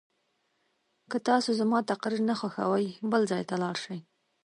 که تاسو زما تقریر نه خوښوئ بل ځای ته لاړ شئ.